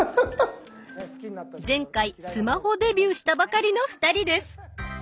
前回スマホデビューしたばかりの２人です。